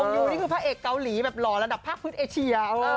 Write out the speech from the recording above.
ยูนี่คือพระเอกเกาหลีแบบหล่อระดับภาคพื้นเอเชีย